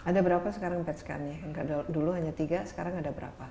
ada berapa sekarang pet scan nya dulu hanya tiga sekarang ada berapa